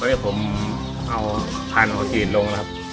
ตอนนี้ผมเอาพันธุ์ของกลิ่นลงนะครับ